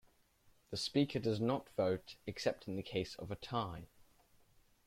The Speaker does not vote except in the case of a tie.